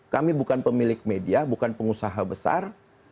kami bukan pemilik media bukan pengusaha besar